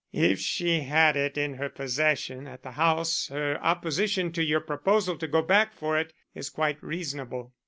"If she had it in her possession at the house her opposition to your proposal to go back for it is quite reasonable.